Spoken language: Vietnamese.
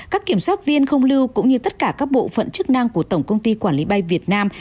các kiểm soát viên không lưu cũng như tất cả các bộ phận chức năng của tổng công ty quản lý bay việt nam